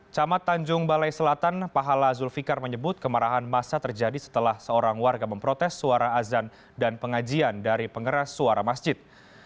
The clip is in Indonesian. camat tanjung balai selatan pahala zulfikar menyebut kemarahan masa terjadi setelah seorang warga memprotes suara azan dan pengajian dari pengeras suara masjid